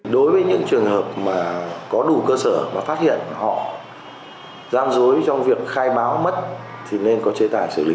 đối với những trường hợp mà có đủ cơ sở mà phát hiện họ gian dối trong việc khai báo mất thì nên có chế tài xử lý